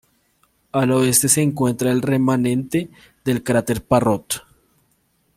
Al oeste se encuentra el remanente del cráter Parrot.